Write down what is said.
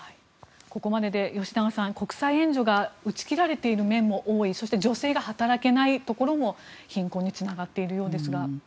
ここまでで吉永さん国際援助が打ち切られている面も多いそして、女性が働けないところも貧困につながっているようですが。